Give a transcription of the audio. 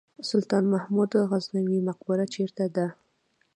سلطان محمود غزنوي مقبره چیرته ده؟